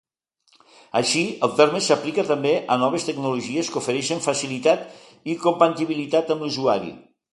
Així, el terme s'aplica també a noves tecnologies que ofereixen facilitat i compatibilitat amb l'usuari.